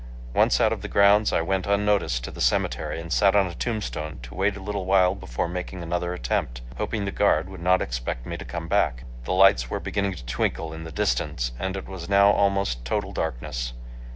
Once out of the grounds I went unnoticed to the cemetery and sat on a tombstone to wait a little while before making another attempt, hoping the guard would not expect me to come back. The lights were beginning to twinkle in the distance and it was now almost total darkness.